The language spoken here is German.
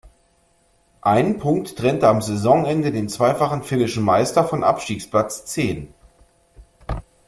Ein Punkt trennte am Saisonende den zweifachen finnischen Meister von Abstiegsplatz zehn.